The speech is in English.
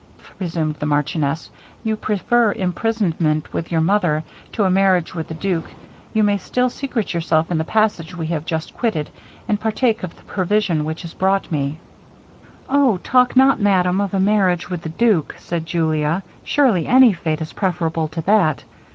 'If,' resumed the marchioness, 'you prefer imprisonment with your mother, to a marriage with the duke, you may still secret yourself in the passage we have just quitted, and partake of the provision which is brought me.' 'O! talk not, madam, of a marriage with the duke,' said Julia; 'surely any fate is preferable to that.